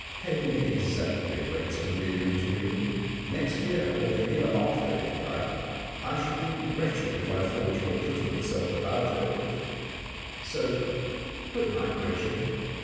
Pay me exactly when it's convenient to you — next year or the year after, if you like. I should be wretched if I thought you were putting yourself about over it. So good night, Reggie."